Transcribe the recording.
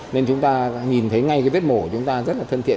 nên chúng ta nhìn thấy ngay cái vết mổ của chúng ta rất là thân thiện